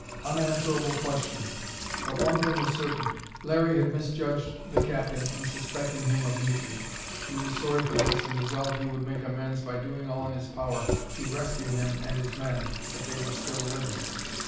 Unanswerable question! But one thing was certain. Larry had misjudged the captain in suspecting him of mutiny. He was sorry for this and resolved he would make amends by doing all in his power to rescue him and his men, if they were still living.